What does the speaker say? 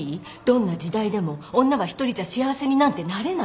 どんな時代でも女は一人じゃ幸せになんてなれないの。